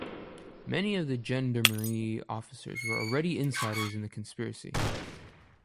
Many of the Gendarmerie officers were already insiders in the conspiracy.